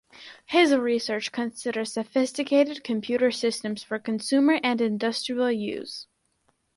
His research considers sophisticated computer systems for consumer and industrial use.